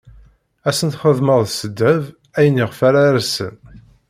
Ad sen-txedmeḍ s ddheb ayen iɣef ara rsen.